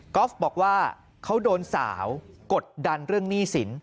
อล์ฟบอกว่าเขาโดนสาวกดดันเรื่องหนี้สิน